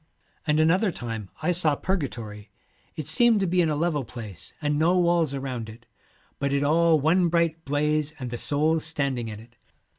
'And another time I saw Purgatory. It seemed to be in a level place, and no walls around it, but it all one bright blaze, and the souls standing in it.